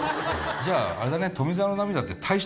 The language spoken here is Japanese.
じゃああれだね。